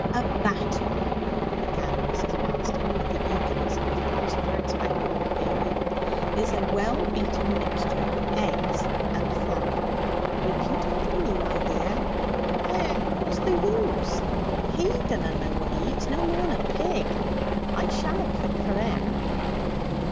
'A batter,' began Mrs. Marston, with the eagerness of a philosopher expounding her theory, 'is a well beaten mixture of eggs and flour. Repeat after me, my dear.' 'Eh, what's the use? He dunna know what he eats no more than a pig! I shanna cook for 'im.'